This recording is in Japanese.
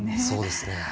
そうですね。